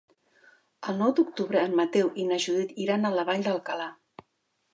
El nou d'octubre en Mateu i na Judit iran a la Vall d'Alcalà.